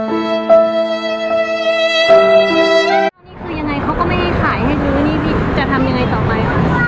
นี่คือยังไงเขาก็ไม่ขายให้รู้นี่จะทำยังไงต่อไป